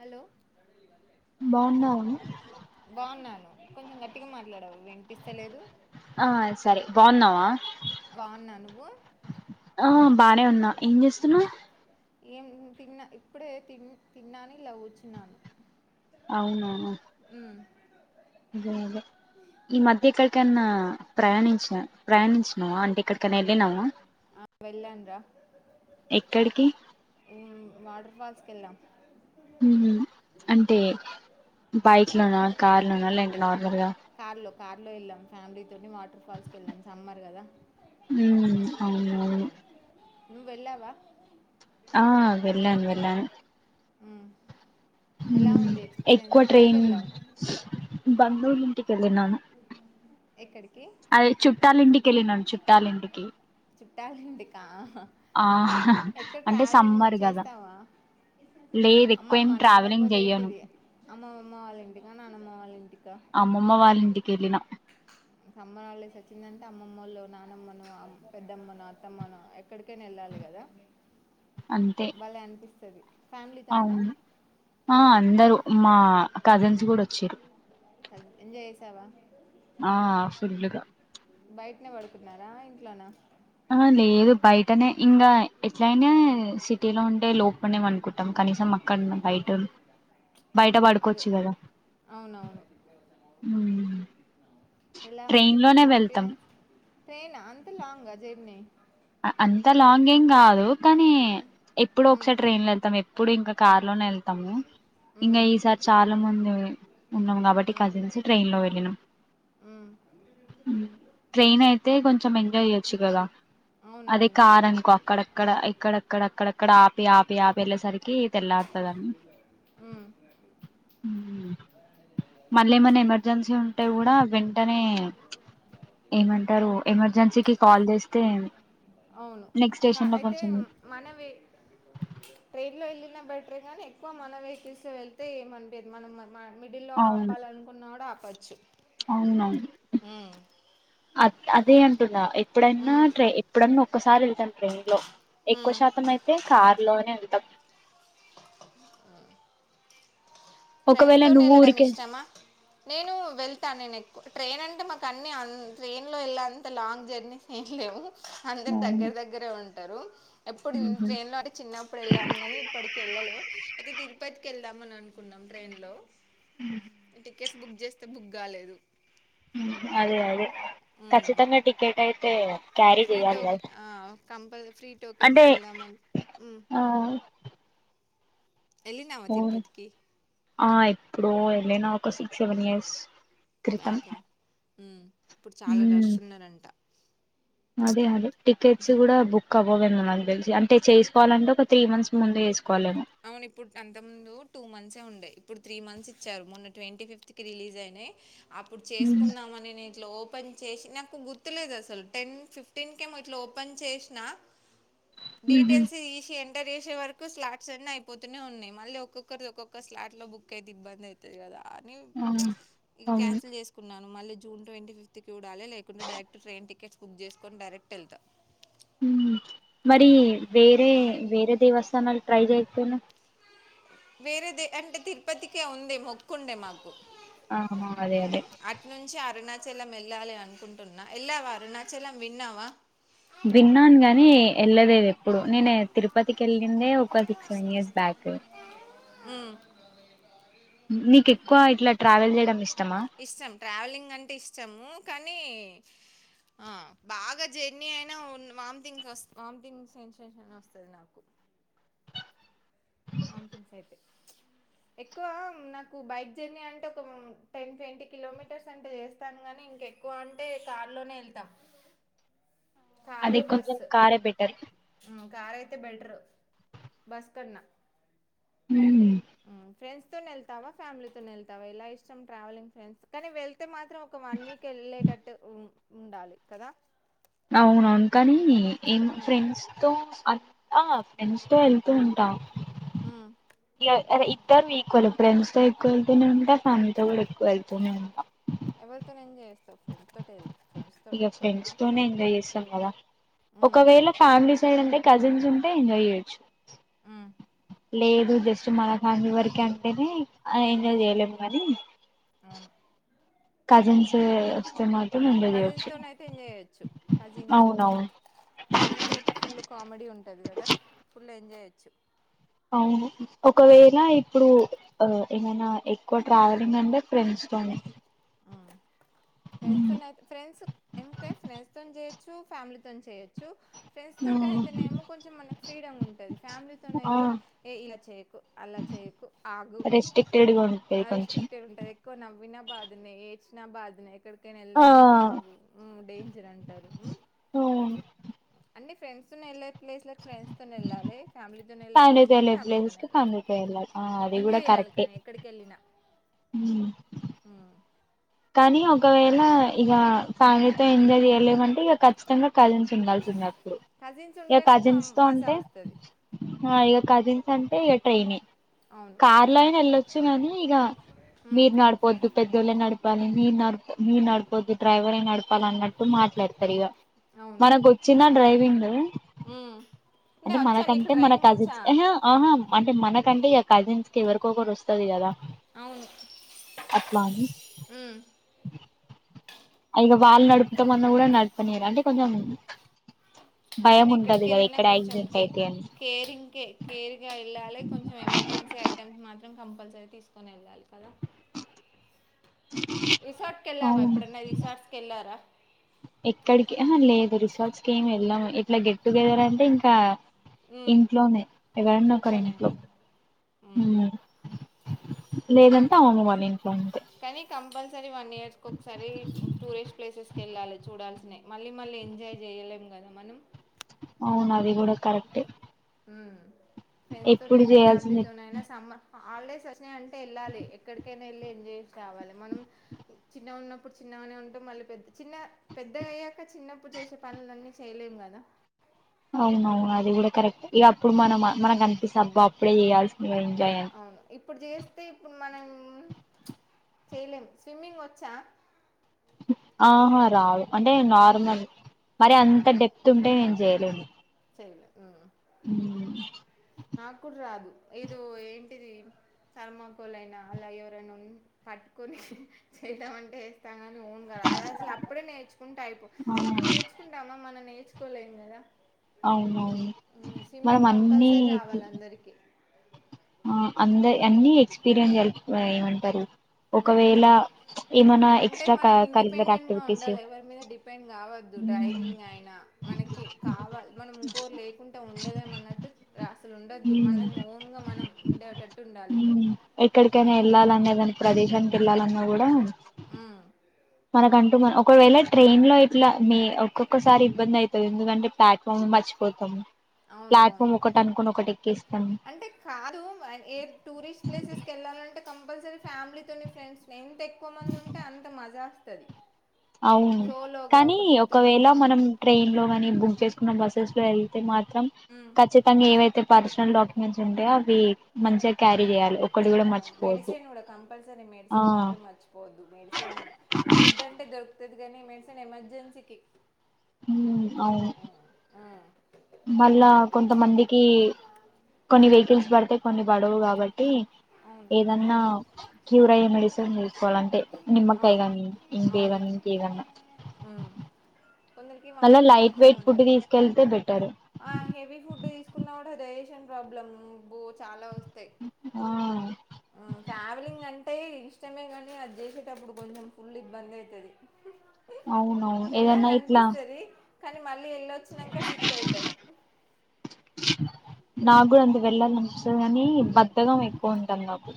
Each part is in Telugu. హలో బాగున్నావ బాగున్నాను కొంచెం గట్టిగా మాట్లాడవ వినిపిస్తలేదు ఆ సరే బాగున్నావా బావున్నా నువ్వు ఆ బానే ఉన్నా ఏం చేస్తున్నావ్ ఏం తిన్నా ఇప్పుడే తి తిన్నాను ఇలా కూచున్నాను అవునా ఈ మధ్య ఎక్కడికన్నా ప్రయాణించా ప్రయాణించినవా అంటే ఏక్కడికైనా వెళ్ళినావా ఆ వెళ్ళను రా ఎక్కడికి ఉ వాటర్ వాటర్ ఫాల్స్ కెళ్ళాం ఉ అంటే బైక్ లోనా కార్ లోనా లేదంటే నార్ గా కార్ లో వెళ్ళాం ఫ్యామిలీ వాటర్ ఫాల్స్ కి వెళ్ళాం సమ్మర్ కదా ఉమ్ అవునవును నువ్వు వెళ్ళావా ఆ వెళ్ళాను వెళ్లాను హు హూ ఎక్కువ ట్రైన్ వెళ్ళావు బంధువులు ఇంటికి వెళ్ళినాను ఎక్కడికి అదే చుట్టాలింటికి వెళ్ళినాను చుట్టాలింటికి టాలెంట్కా ఆ అంటే సమ్మర్ గదా చేస్తావా లేదు ఎక్కువేం అమ్మమ్మ నా ట్రావెలింగ్ లేకపోతే జెయ్యను. ఏంటిది అమ్మమ్మ వాళ్ళంటికా నాన్నమ్మ వాళ్ళింటిక్ అమ్మమ్మ వాళ్ళింటికి ఎళ్ళినా సమ్మర్ హాలిడేస్ వచ్చిందంటే అమ్మమ్మోళ్ళో, నానమ్మనో అమ్ పెద్దమ్మనో, అత్తమ్మనో ఎక్కడికైనా ఎళ్ ళ్ళాలి గదా అంతే భలే అనిపిస్తది. అవును ఆ అందరూ మా కజిన్స్ గూడ వచ్చిర్రు. కజిన్స్ ఎంజాయ్ చేసావా. ఆ ఫుల్లూ గా బయట్నే పడుకున్నారా ఇంట్లోనా అహా లేదు బయటనే ఇంగా ఎట్లైయినా సిటీలో ఉంటే లోపడ్నే పన్కుంటం క కనీసం అక్కడనన్న బయటోళ్ బయట అవును అది పడుకోవచ్చు గదా అవునవును హ్ము ఎలా అనిపిచ్చింది ఎక్స్పీరియన్స్ ట్రైనా అంత లాంగా జర్నీ. అ అంత లాంగ్ గేం కాదు కానీ ఎప్పుడో ఒకసారి ట్రైన్ లో ఎళ్తాము ఎప్పుడు ఇంకా కార్ లోనే ఎళ్తామూ. ఇంగా ఈసారి చాలా మందీ ఉన్నాం కాబట్టి కజిన్సు ట్రైన్లో వెళ్ళిన్నం. ట్రైన్ అయితే కొంచెం ఎంజాయ్ చేయ్యొచ్చు గదా. అదే అవునవును కార్ అనుకో అక్కడక్కడ ఎక్కడక్కడ అక్కడక్కడ ఆపి ఆపి ఆపి వెళ్లే సరిక్ కీ తేల్లార్తదని. హ్మ్ మళ్ళీ ఏమన్న ఎమర్జెన్సీ ఉంటే గూడా వెంటనే. ఏమంటారు ఎమర్జెన్సీకిి కాల్ జేస్తే అవును కా అయితే మనవి ట్రైన్ లో ఎళ్ళి నా బెట్రే గాని ఎక్కువ మన వెహికిల్స్ వెళ్తే ఏమనిపీయది మనం మన్ మన్ మిడిల్లో అవును ఆపాలనుకున్నా గూడా ఆపచ్చు. అవునవును ఉమ్ అ అదే అంటున్నా ఎక్ ఎప్పుడన్నా ఉమ్ ట్రై ఎప్పుడన్నా ఒక్కసారి ఎళ్తాం ట్రైన్ లో ఎక్కువ ఉమ్ శాతం అయితే కార్ లోనే వెళ్ తం ఫ్రెండ్స్ ఒకవేళ తోని నువ్వు ఎళ్ళడం ఊరికే ఇష్టమా నేనూ వెళ్ ళ్తా నేను ఎక్కువ ట్రైన్ అంటే మాకు అన్నీ అం ట్రైన్ లో ఎళ్ళే అంత లాంగ్ జర్నీ ఏం లేవూ. అందర్ అవును దగ్గర దగ్గరే ఉంటారు. ఎప్పుడు ఉహు ట్రైన్ లో అంటే చిన్నప్పుడు ఎళ్ళాను గాని ఇప్పడికి ఎళ్ళలే అయితే తిరుపత్కి ఎళ్ ఎళ్దాం అని అనుకున్నాం ట్రైన్ లో టికెట్స్ బుక్ జేస్తే బుక్ గాలేదు. ఊహ్ము అదే అదే మ్మ్ ఖచ్చితంగా టికెట్ అయితే క్యారీ ఫ్రీ చేయాలి టోకె కదా ఆ కంపల్ ఫ్రీ అంటే టోకెన్స్కి ఎళ్దామని ఊ ఆ ఎళ్లినావా అవును తిరుపతికి ఆ ఎప్పుడో ఎళ్ళినా ఒక సిక్స్ సెవెన్ ఇయర్స్ క్రితం. ఊ ఇప్పుడు చాలా రష్ మ్మ్ ఉన్నరంటా. అదే అదే టికెట్స్ గూడా బుక్ అవ్వవేమో నాకు తెల్సి అంటే చేసుకోవాలంటే ఒక త్రీ మంత్స్ ముందే చేసుకోవాలేమ్ అవును ఇప్పుడు అంతక్ ముందూ టూ మంత్సే ఉండే ఇప్పుడు త్రీ మంత్స్ ఇచ్చారు మొన్న ట్వంటీ ఫిఫ్త్ కి రిలీజ్ అయిం నీ అప్పుడు మ్మ్. చేసుకుందాం మని నేను ఇట్ల ఓప్ ఓపెన్ చేశి నాకు గుర్తులేదు అసల్ టెన్ ఫిఫ్టీన్కేమో ఇట్లా ఓపెన్ చేశినా మ్హూ. డీటెయిల్స్ తీసి ఎంటర్ చేసే వరకు స్లా [unintelligible] అయిపోతూనే ఉన్నాయి మళ్ళీ ఒక్కొక్కరి ఒక్కొక్క స్లాట్ లో బుక్ అయితే ఇబ్బంది అవుతుంది కదా కాని ఆ, ఇక అవును క్యాన్సిల్ చేసుకున్నాను మళ్ళీ జూన్ ట్వీ ఫిఫ్త్కి చుడాలి లేకుంట డైరక్ట్ ట్రైన్ టికెట్స్ బుక్ చేసుకోని డైరెక్ట్ [unintelligible] మరి వేరే వేరే దేవస్థానాలు ట్రై చేయకపో [unintelligible] వేరేది అంటే తిరుపతికే ఉంది మొక్కుండే మాకు ఆహా అదే అదే అరునాచలం వెళ్ళాలి అనుకుంటున్నా వెళ్ళావ అరునాచలం విన్నావా విన్నాను గాని వెళ్ళలేదు ఎప్పుడు నేను తిరుపతికి వెళ్ళిందే ఒక సిక్స్ సెవెన్ ఇయర్స్ బ్యాక్ ఉ నీకు ఎక్కువ ఇట్లా ట్రావెల్ చేయడం ఇష్ ఇష్టం ట్రావెలింగ్ అంటే ఇష్టము కానీ ఆ బాగా జర్నీ అయినా వామిటింగ్ వామిటింగ్ సెన్సేషన్ వస్తుంది నాకు [inaudible] ఉ ఎక్కువ నాకు బైక్ జర్నీ అంటే ఒక టెన్ ట్వంటీ కిలోమీటర్స్ అంటే చేస్తాను గాని ఎక్కువ అంటే కారులోనే వెళ్త అది కొంచెం కారే బెటర్ ఉమ్, కార్ అయితే బెటరు బస్ కన్న హు ఫ్రెండ్స్ తోని వెళ్తావ ఫ్యామిలీ తోని వెళ్తావా ఎలా ఇష్టం ట్రావెలింగ్ ఫ్రెం కానీ వె వెళ్తే మాత్రం ఒక వన్ వీక్ వెళ్లేేటట్టు ఉండాలి కదా అవునువును కానీ ఏం మ్మ్ ఫ్రెండ్స్ తో అంత ఫ్రెండ్స్ తో వెళ్తూ ఉంట మ్మ్ [unintelligible] ఫ్రెండ్స్ తో ఎక్కువ వెళ్తూనే ఉంటా ఫ్యామిలీతో కూడా ఎక్కువ వెళ్తూనే ఉంట ఎవరితో ఎంజాయ్ చేస్తావు ఫ్రెండ్స్ తోటే ఫ్రెండ్స్ తోటి ఇగ ఎక్కువనా ఫ్రెండ్స్తోతోనే ఫ్యామ్ ఎంజాయ్ చేస్తాం కదా మ్మ్ ఒకవేళ ఫ్యామిలీ సైడ్ అంటే కజిన్స్ ఉంటే ఎంజాయ్ చేయొచ్చు ఆ లేదు జస్ట్ మన ఫ్యామిలీ వరకు అంటేనే ఎంజాయ్ చేయలేము గని అవును కజిన్స్ వస్తు [unintelligible] కజిన్స్ తోని అయితే ఎంజాయ్ చేయొచ్చు కజిన్స్ అవునవును కజిన్స్ అయితే ఫుల్ కామెడీ ఉంటది కదా ఫుల్ ఎంజాయ్ చేయోచ్చు అవును ఒకవేళ ఇప్పుడు ఏమైన ఎక్కువ ట్రావెలింగ్ అంటే ఫ్రెండ్స్ [unintelligible] మ్మ్ ఫ్రెండ్స్ తో హ్మ్. ఫ్రెండ్స్ అంటే ఫ్రెండ్స్ తోను చేయొచ్చు ఫ్యామిలీతో చేయొచ్చు ఫ్రెండ్స్ తోటి హ్మ్. అయితేనేమో కొంచెం మనకు ఫ్రీడమ్ ఉంటది ఫ్యామిలీ తో ఆ అయితే ఇలా చేయ్యకు అలా చెయ్యకు ఆగు [unintelligible] కొంచం [unintelligible] నవ్విన బాధనే ఏడ్చిన బాధనే ఎడికైనా ఆ వెళ్దామంటే ఆగు డేంజర్ అంటారు ఫ్రెండ్స్ తోనే వెళ్లే ప్లేస్లకి ఫ్రెండ్స్ తోనే వెళ్ళాలి ఫ్యామిలీతో వెళ్ళే ఫ్యామిలీతో ప్లేస్లకి వెళ్ళే ఫ్యామిలీతో ప్లేసెస్ కి వెళ్ళాలి ఫ్యామిలీతో వెళ్ళాలి ఆ అది కూడా ఎంజాయ్ చేయాలి కరెక్టే కానీ ఎక్కడికి వెళ్ళినా హు కానీ ఒకవేళ ఇల ఫ్యామిలీతో ఎంజాయ్ చేయలేమంటే ఇక ఖచ్చితంగా కజిన్స్ ఉండాల్సిదే అప్పుడు కజిన్స్ ఇక ఉంటేనే కజిన్స్ తో మజా అంటే వస్తది ఇక కజిన్స్ అంటే ఇక ట్రైనె అవును కార్లో అయిన వెళ్ళొచ్చు కానీ ఇక మీరు నడపోద్దు పెద్దోల్లె నడిప్ మీ నడపో మీ నడిపోద్దు డ్రైవర్ ఏ నడపాల అన్నట్టు మాట్లాడతారు ఇక మనకొచ్చినా డ్రైవింగ్ మ్ అంటే మనకంటే మన కజిన్స్ ఎహా ఆహా అంటే మనకంటే ఇగ కజిన్స్ కి ఎవరికొ ఒకరికి వస్తది కదా అవును అట్లా అని మ్ ఇంగ వాళ్ళు నడుపుతామన్న కూడా నడుపనీయరు అంటే కొంచెం భయం కానీ ఉంటది ఎక్కడికి కదా వెళ్ళినా ఎక్కడ కొంచెం యాక్సిడెంట్ కే అయితే అని కేరింగ్కే కేర్గా వెళ్ళాలి కొంచెం ఎమర్జెన్సీ ఐటమ్స్ మాత్రం కంపల్సరీ తీసుకోనెళ్ళాలి కదా రిసార్ట్ కెళ్ళావా అవును ఎప్పుడన్న రిసార్ట్స్ కెల్లార ఎక్కడికి యహ లేదు రిసార్ట్స్ కి ఏమి వెళ్ళము ఇట్ల గెట్ టుగెదర్ అంటే ఇంకా మ్మ్. ఇంట్లోనే ఎవరన్న ఇంట్లోనే ఒకరింట్లో నేను మ్మ్. లేదంటే అవునుమని కానీ కంపల్సరీ వన్ ఇయర్స్ కొకసారి టూరిస్ట్ ప్లేసెస్కి వెళ్ళాలి చూడాల్సినవి మళ్ళీ మళ్ళీ ఎంజాయ్ చేయలేం కదా మనం అవును అది కూడా కరెక్టే. ఎప్పుడు ఫ్రెండ్స్తోనైనా, చేయాల్సింది ఫ్యామిలీతోనైనా సమ్మర్ హాలిడేస్ ఒచ్ అంటే ఎళ్ళాలి ఎక్కడికైనా ఎళ్ళి ఎంజాయ్ కావాలి మనం చిన్నగున్నప్పుడు చిన్నగనే ఉంటామ్ మళ్ళీ పెద్ద చిన్న పెద్దగయ్యాక చిన్నప్పుడు చేసే పనులన్నీ చేయలేం కదా మ్ అవును అది కూడా కరెక్ట్. ఇగ అప్పుడు మనం మనకు అనిపిస్త అబ్బా అప్పుడే చేయాల్సింది కదా ఎంజాయ్ అని అవును ఇప్పుడు చేస్తే ఇప్పుడు మనం చేయలేము స్విమ్మింగ్ వచ్చా ఆహా రాదు అంటే నార్మల్ మరి అంత డెప్త్ ఉంటే నేను చేయలేను చైలే మ్ నాకు కూడా రాదు ఇదో ఏంటిది తర్మాకోలయినా అలా ఎవరైనా ఉన్ పట్టుకోని చేయడమంటే చేస్తా కా ని ఓన్ గా రాదు అది అసలు అప్పుడే నేర్చుకుంటే అయిపోవు ఇప్పుడు నేర్చుకుంటామా మనం నే నేర్చుకోలేమ్ కదా అవునవు ఆ స్విమ్మింగ్ కంపల్సరీ రావాలి అందరికి ఆ అంద అన్ని ఎక్స్పీరియన్స్ కలిపి ఏమంటారు ఉమ్. ఒకవేళ ఏమైనా అంటే ఎక్స్ట్రా మనం కరికులర్ ఇండిపెండెంట్ గా యాక్టివిటీస్ ఉండాలి ఎవరి మీద డిపెండ్ కావద్దు డ్రైవింగ్ అయినా మనకి కావా మనం ఇంకోరు లేకుంటె ఉండలేమన్నట్టు అసలు ఉండద్దు మనం ఓన్ గ మనం ఉండటట్టు ఉండాలి ప్రదేశానికిిళ్లాలన్న కూడా ఉమ్. మనకంటూ మన ఒకవేళ ట్రైన్ లో ఇట్లా మి ఒక్కొక్కసారి ఇబ్బంది అయితది ఎందుకంటే ప్లాట్ఫామ్ మర్చి పోతాము అవును అవును ప్లాట్ఫామ్ ఒకటి అనుకొని ఒకటి ఎక్కేస్తాము అంటే కాదు ఏ టూరిస్ట్ ప్లేసెస్కి వెళ్ళాలంటే కంపల్సరీ ఫ్యామిలీతొని ఫ్రెండ్స్ ఎంత ఎక్కువ మంది ఉంటే అంత మజా వస్తది అవును సోలోగా కానీ ఒక టూ త్రీ ఒకవేళ ఆ మనం ట్రైన్ లో కానీ బుక్ చేసు మ బస్సెస్ లో వెళ్తే మాత్రం ఉమ్ ఖచ్చితంగా ఏవైతే పర్సనల్ డాక్యుమెంట్స్ ఉంటయో అవి మ చగ క్యారీ చేయాలి ఒక్ అవు మెడిసిన్ కూడా కంపల్సరీ ఆ మెడిసిన్ మాత్రం మర్చిపోవద్దు మెడిసిను ఫుడ్ అంటే దొరుకుతుది గానీ మెడిసన్ ఎమర్జెన్సీకి మ్మ్ అవును ఆ మళ్ళా కొంతమందికి కొన్ని వెహికల్స్ బడతయ్ కొన్ని బడవు కాబట్ అవును ఏదన్నా క్యూరయ్యే మెడిసిన్ తీసుకోవాలంటే నిమ్మకాయ్ అవును గాని అవును ఇంకేదన్ ఇంకేమన్నా ఉమ్ కొందరికి అలా vomiting light sensation weight food ఉంటది తీసుకెళ్తే బెటర్ ఆ హెవీ ఫుడ్ తీసుకున్నా గుడా డైజెషన్ ప్రాబ్లం బో చాలా వస్తాయి ఆ ట్రావెలింగ్ అంటే ఇష్టమే గానీ అది జేసేటప్పుడు కొంచెం ఫుల్ ఇబ్బంది అయితాది అవునవును ఏదన్నా ఇట్లా కానీ మళ్ళీ వెళ్ళొచ్చినంక సిక్ అయితం నాకు గుడంతే వెళ్ళాలనిపిస్తుది కాని బద్దగం ఎక్కువ ఉంటుంది నాకు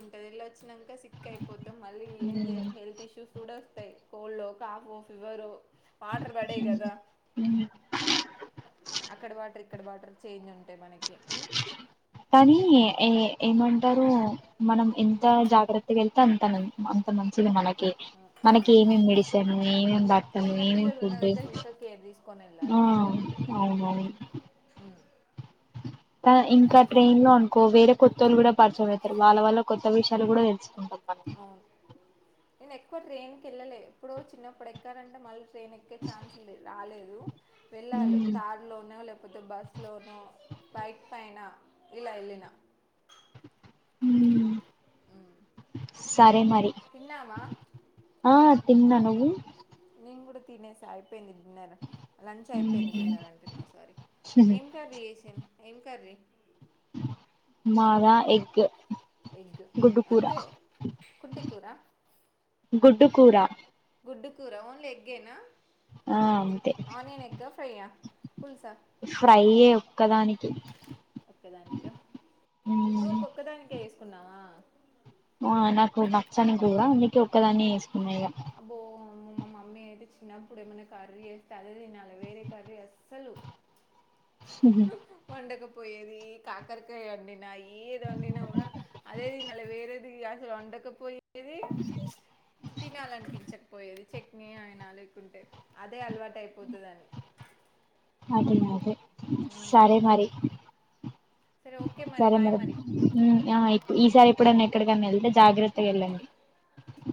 ఉంటది ఎళ్లొచ్చినంక సిక్ అయిపోతం మళ్ళీ ఏం జెయం ఉమ్ హెల్త్ ఇష్యూస్ గూడ కోల్డ్ కాఫో ఫివరో వాటర్ బడయి గదా అక్కడ వాటర్ ఇక్కడ వాటర్ చేంజున్ కానీ ఏ ఏమంటారు మనం ఎంత జాగ్రత్తగెళ్తే అంత మం అంత మంచిది మనకి మనకి ఏమేమి మెడిసిన్ ఏమేమి బట్టం ఏమే చిన్నపిల్లలు ఉన్న ఫుడ్ దగ్గర ఇంకా కేర్ తీసుకొని ఆ వెళ్ళాలి కదా మ్మ్ అవునవును మ్మ్ ఇంకా ట్రైన్ లో అనుకో వేరే కొత్తోళ్ళు గుడ పరచయ మైతరు వాళ్ళ వల్ల కొత్త విషయాలు గుడ తెలుసుకుంటాం మనం ఎప్పుడు ట్రైన్కి ఎళ్ళలే ఎప్పుడో చిన్నప్పుడు ఎక్కారంటే మళ్ళీ ట్రైన్ ఎక్కే ఛాన్స్ లే రాలేదు వెళ్ళాలి ఉమ్ కారులోనో లేకపోతే బస్లోనో బైక్ పైన ఇలా ఎల్లినా ఉమ్ సరే మరి తిన్నామా ఆ తిన్నా నువ్వు నేన్ గుడా తినేసా అయిపోయింది డిన్నర్ లంచ్ అయిపోయింది డిన్నర్ అంటున్నా సారీ ఏం కర్రీ చేసిన్ ఏం కర్రీ మాదా ఎగ్గు ఎగ్ అంటే కుంటి కూరా గుడ్డుకూర గుడ్డు కూర ఓన్లీ ఎగ్గేనా ఆ అంతే ఆనియన్ ఎగ్గా ఫ్రైయా ఒక్కదానికి ఒక్కదానిక్యో మ్మ్ నువ్వొక్కొక్క దానికే చేసుకున్నావా ఆ నాకు నచ్చని కూర అందుకే ఒక్కదాన్నే జేసుకున్నా ఇగ అబ్బో మా మమ్మీ అయితే చిన్నప్పుడేమన కర్రీ చేస్తే అదే దినాలె వేరే కర్రీ అస్సలు వండకు పొయేది కాకరకాయ వండినా ఏదొండినా గుడా అదే దినాలి వేరేది అసలొండక పొయ్ ఏది కనిపించకపోయేది చట్నీ అయినా లేకుంటే అదే అలవాటు అయిపోతదని అది మాటే సరే మరి సరే ఓకే మరి సరే బాయ్ మేడమ్ మరి మ్మ్ ఆయ్ ఈసారి ఎప్పుడైన్నా ఎక్కడికనా వెళ్తే జాగ్రత్తగా వెళ్ళండి